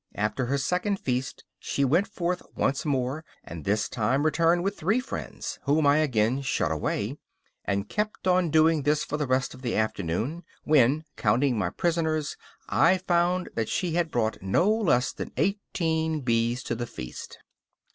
After her second feast she went forth once more, and this time returned with three friends, whom I again shut away, and kept on doing this for the rest of the afternoon, when, counting my prisoners, I found that she had brought no less than eighteen bees to the feast.